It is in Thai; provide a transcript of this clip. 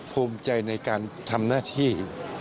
ภูมิใจในการทำหน้าที่